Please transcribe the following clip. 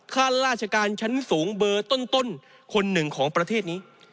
ข้าราชการชั้นสูงเบอร์ต้นคนหนึ่งของประเทศนี้